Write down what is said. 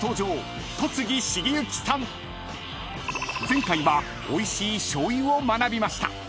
［前回はおいしいしょうゆを学びました］